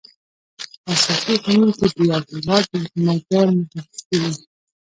په اساسي قانون کي د یو هيواد د حکومت ډول مشخص کيږي.